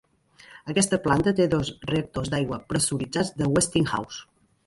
Aquesta planta té dos reactors d'aigua pressuritzats de Westinghouse.